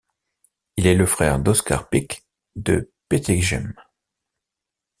Il est le frère d'Oscar Pycke de Peteghem.